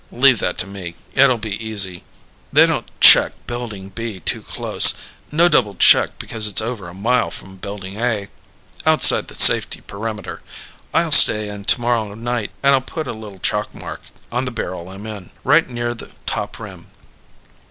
"Leave that to me. It'll be easy. They don't check Building B too close. No double check 'cause it's over a mile from Building A outside the safety perimeter. I'll stay in tomorrow night and I'll put a little chalk mark on the barrel I'm in right near the top rim.